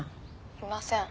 「いません」